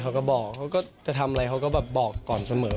เขาก็บอกเขาก็จะทำอะไรเขาก็แบบบอกก่อนเสมอ